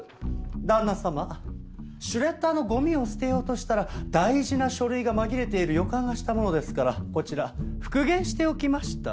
旦那様シュレッダーのゴミを捨てようとしたら大事な書類が紛れている予感がしたものですからこちら復元しておきました。